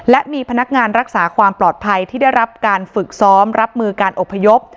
และมีพนักงานรักษาความปลอดภัยที่ได้รับการฝึกซ้อมรับมือการอบพยพ